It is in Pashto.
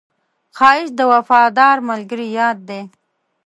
ښایست د وفادار ملګري یاد دی